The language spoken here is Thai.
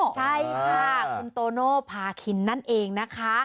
ใช่ค่ะคุณโตโน่พาคินนั่นเองนะคะ